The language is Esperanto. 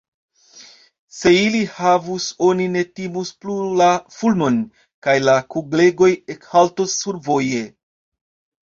Se ili havus, oni ne timus plu la fulmon, kaj la kuglegoj ekhaltus survoje.